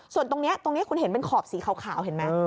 ส่วนตรงนี้ตรงนี้คุณเห็นเป็นขอบสีขาวเห็นไหม